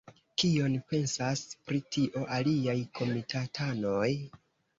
Kion pensas pri tio aliaj komitatanoj?